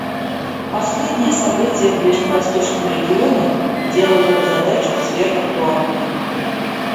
Последние события в ближневосточном регионе делают эту задачу сверхактуальной.